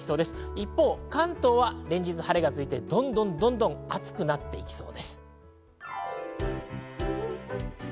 一方、関東は連日晴れが続いてどんどんと暑くなっていきそうです。